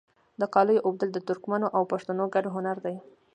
د قالیو اوبدل د ترکمنو او پښتنو ګډ هنر دی.